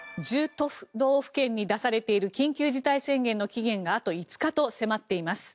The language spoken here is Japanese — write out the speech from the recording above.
都道府県に出されている緊急事態宣言の期限があと５日と迫っています。